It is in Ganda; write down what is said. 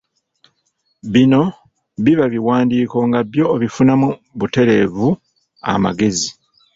Bino biba biwandiiko nga byo obifunamu butereevu amagezi